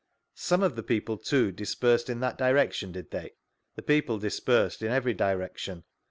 Some of the people, too, dispersed in that direc tion, did they?— The people dispersed in every direction.